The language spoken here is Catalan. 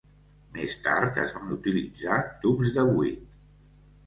Més tard, es van utilitzar tubs de buit.